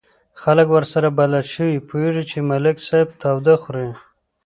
خلک ورسره بلد شوي، پوهېږي چې ملک صاحب تاوده خوري.